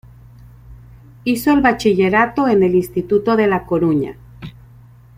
Hizo el Bachillerato en el Instituto de la Coruña.